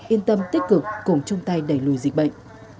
yên tâm tích cực cùng chung tay đẩy lùi dịch bệnh